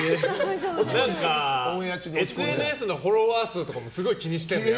何かＳＮＳのフォロワー数とかもすごい気にしてるんだよ